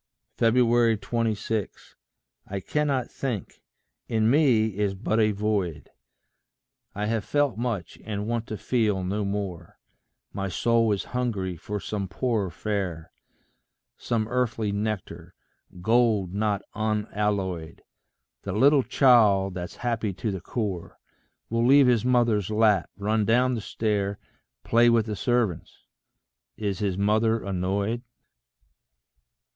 26. I cannot think; in me is but a void; I have felt much, and want to feel no more; My soul is hungry for some poorer fare Some earthly nectar, gold not unalloyed: The little child that's happy to the core, Will leave his mother's lap, run down the stair, Play with the servants is his mother annoyed?